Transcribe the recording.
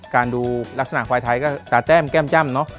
การดูลักษณะควายไทยก็ตาแต้มแก้มจ้ำ